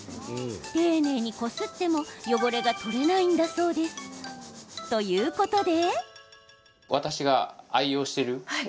丁寧にこすっても汚れが取れないんだそうです。ということで。